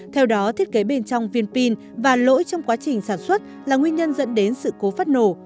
theo đó thiết kế bên trong viên pin và lỗi trong quá trình sản xuất là nguyên nhân dẫn đến sự cố phát nổ